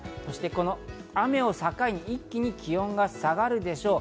この雨を境に一気に気温が下がるでしょう。